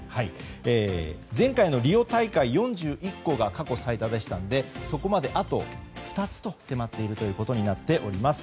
前回のリオ大会の４１個が過去最多でしたのでそこまであと２つと迫っていることになっています。